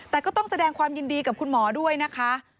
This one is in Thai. แต่ก็ต้องแสดงความยินดีกับคุณหมอด้วยนะคะ